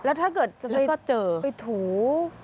แล้วถ้าเกิดจะไปถู